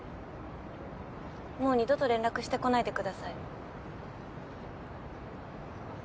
もう二度と連絡してこないでください。